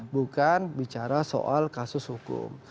bukan bicara soal kasus hukum